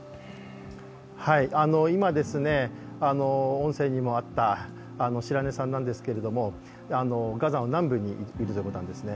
今、音声にもあった白根さんなんですけれどもガザの南部にいるということなんですね。